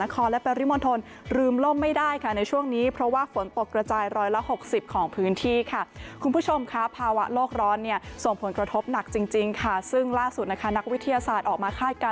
คลื่นสูง๑๒เมตรค่ะ